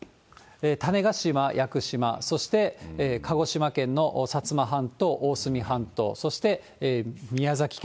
種子島・屋久島、そして鹿児島県の薩摩半島、大隅半島、そして宮崎県。